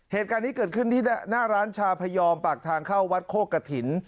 เหตุการณ์นี้เกิดขึ้นที่หน้าร้านชาพยอมปากทางเข้าวัดโคกฐิน